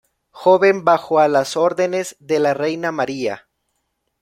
Joven bajo a las órdenes de la Reina María.